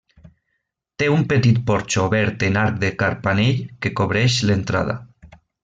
Té un petit porxo obert en arc de carpanell que cobreix l'entrada.